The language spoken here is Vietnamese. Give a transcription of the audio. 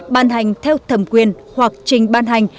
ban hành theo thẩm quyền hoặc trình ban hành